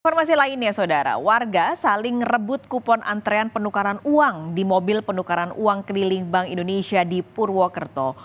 informasi lainnya saudara warga saling rebut kupon antrean penukaran uang di mobil penukaran uang keliling bank indonesia di purwokerto